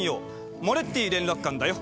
モレッティ連絡官だよ。